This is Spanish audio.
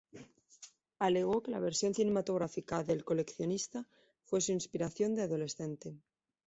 Alegó que la versión cinematográfica de "El coleccionista" fue su inspiración de adolescente.